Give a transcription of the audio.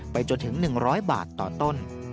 จนถึง๑๐๐บาทต่อต้น